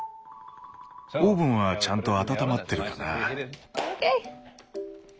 オーブンはちゃんと温まってるかな？